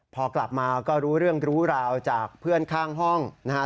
พอกลับมาก็รู้เรื่องรู้ราวจากเพื่อนข้างห้องนะฮะ